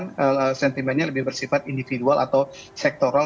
jadi seperti yang saya katakan sentimennya lebih bersifat individual atau sektoral